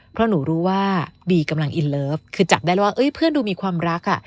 เพราะหนูรู้ว่าบีกำลังอินเลิฟคือจับได้แล้วว่าเพื่อนดูมีความรักอ่ะ